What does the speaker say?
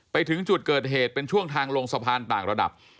ไปถึงจุดเกิดเหตุเป็นช่วงทางลงสะพานต่างระดับ